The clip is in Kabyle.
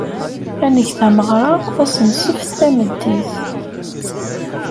Ad neg tameɣra ass n ssebt tameddit.